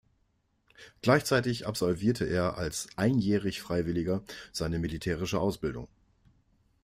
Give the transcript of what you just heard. Gleichzeitig absolvierte er als Einjährig-Freiwilliger seine militärische Ausbildung.